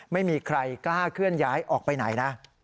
ไม่มีใครกล้าเคลื่อนย้ายออกไปไหนนะ